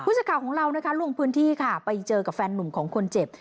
สักข่าวของเรานะคะลงพื้นที่ค่ะไปเจอกับแฟนนุ่มของคนเจ็บ